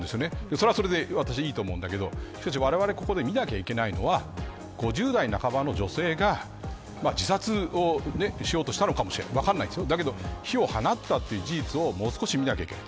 それはそれでいいと思うんだけどしかし、われわれがここで見なきゃいけないのは５０代半ばの女性が自殺をしようとしたのかもしれない、分からないけれど火を放ったという事実を見なきゃいけない。